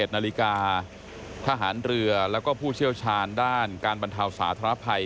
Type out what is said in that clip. ๑นาฬิกาทหารเรือแล้วก็ผู้เชี่ยวชาญด้านการบรรเทาสาธารณภัย